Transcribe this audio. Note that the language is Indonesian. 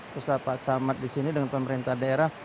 pusat pak camat disini dengan pemerintah daerah